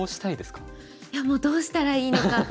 いやもうどうしたらいいのか。